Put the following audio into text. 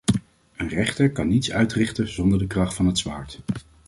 Een rechter kan niets uitrichten zonder de kracht van het zwaard.